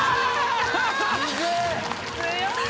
強い。